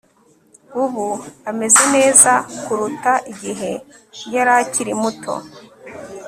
Ubu ameze neza kuruta igihe yari akiri muto